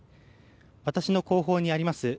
私の後方にあります